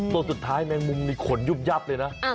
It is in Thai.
ตัวสุดท้ายแมงมุมนี่ขนยุบยับเลยนะ